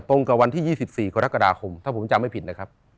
กับวันที่๒๔กรกฎาคมถ้าผมจำไม่ผิดนะครับ